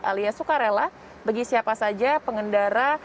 alias sukarela bagi siapa saja pengendara